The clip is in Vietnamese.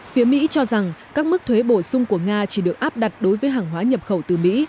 phía mỹ cho rằng các mức thuế bổ sung của nga chỉ được áp đặt đối với hàng hóa nhập khẩu từ mỹ